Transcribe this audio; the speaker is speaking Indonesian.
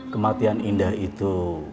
kematian indah itu